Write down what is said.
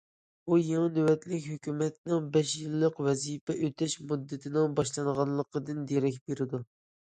بۇ يېڭى نۆۋەتلىك ھۆكۈمەتنىڭ بەش يىللىق ۋەزىپە ئۆتەش مۇددىتىنىڭ باشلانغانلىقىدىن دېرەك بېرىدۇ.